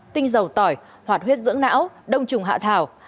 tinh dầu tỏi hoạt huyết dưỡng não đông trùng hạ thảo